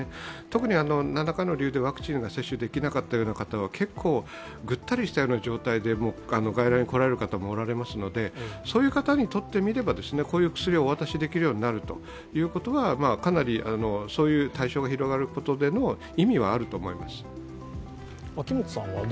特に、何らかの理由でワクチンが接種できなかった方は結構、ぐったりした状態で外来に来られる方もおられますのでそういう方にとってみれば、こういう薬をお渡しできるようになるということは、かなり対象が広がることでも意味はあると思います。